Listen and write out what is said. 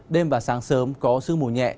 đêm và sáng sớm có sương mù nhẹ